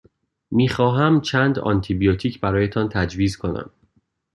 می خواهمم چند آنتی بیوتیک برایتان تجویز کنم.